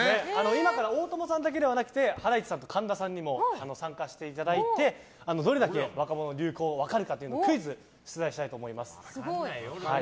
今から大友さんだけではなくてハライチさんと神田さんにも参加していただいてどれだけ若者の流行が分かるかクイズを出題したいと思います。